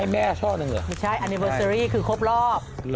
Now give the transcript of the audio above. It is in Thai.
ไม่ใช่อันนิเวอร์เซอรี่คือครบรอบ